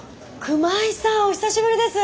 熊井さんお久しぶりです！